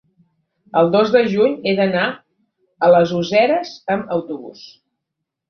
El dos de juny he d'anar a les Useres amb autobús.